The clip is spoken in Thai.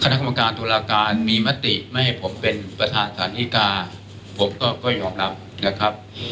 คณะกรรมการตุลาการมีมติไม่ให้ผมเป็นประธานฐานิกาผมก็ยอมรับนะครับ